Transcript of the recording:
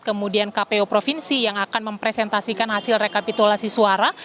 kemudian kpu provinsi yang akan mempresentasikan hasil rekapitulasi suara